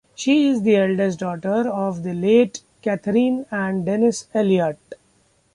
She is the eldest daughter of the late Catherine and Denis Elliott.